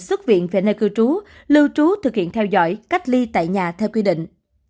xuất viện về nơi cư trú lưu trú thực hiện theo dõi cách ly tại nhà theo quy định